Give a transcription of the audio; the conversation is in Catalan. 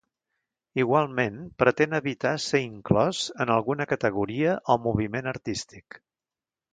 Igualment pretén evitar ser inclòs en alguna categoria o moviment artístic.